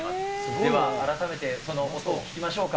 では改めて、その音を聞きましょうか。